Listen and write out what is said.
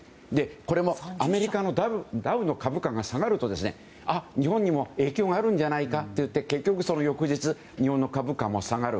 これもアメリカのダウの株価が下がるとあ、日本にも影響があるんじゃないかといって結局その翌日日本の株価も下がる。